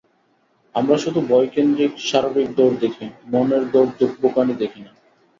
আমরা শুধু ভয়কেন্দ্রিক শারীরিক দৌড় দেখি, মনের দৌড়, ধুকপুকানি দেখি না।